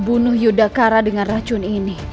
membunuh yudhkkara dengan racun ini